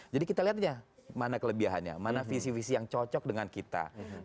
jadi kita lihatnya mana kelebihannya mana visi visi yang cocok dengan kita